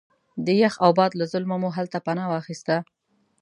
د یخ او باد له ظلمه مو هلته پناه واخسته.